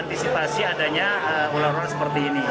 antisipasi adanya ular ular seperti ini